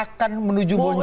atau akan menuju bonceng